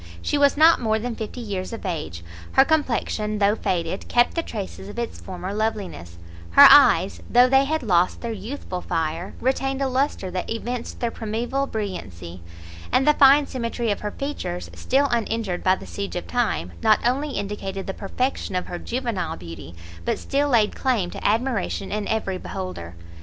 She was not more than fifty years of age; her complection, though faded, kept the traces of its former loveliness, her eyes, though they had lost their youthful fire, retained a lustre that evinced their primeval brilliancy, and the fine symmetry of her features, still uninjured by the siege of time, not only indicated the perfection of her juvenile beauty, but still laid claim to admiration in every beholder.